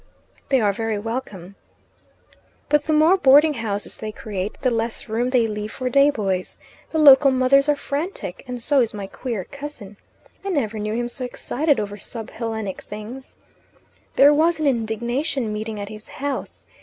"They are very welcome." "But the more boarding houses they create, the less room they leave for day boys. The local mothers are frantic, and so is my queer cousin. I never knew him so excited over sub Hellenic things. There was an indignation meeting at his house.